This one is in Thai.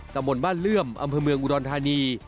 ตำบลบ้านเลื่อมอำเภอเมืองอุดรธานี